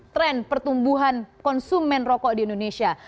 tren pertumbuhan konsumen rokok di indonesia